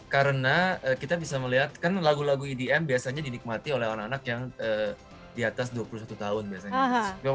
karena kita bisa melihat kan lagu lagu edm biasanya dinikmati oleh anak anak yang di atas dua puluh satu tahun biasanya